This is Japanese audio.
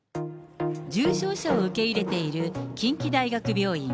重症者を受け入れている近畿大学病院。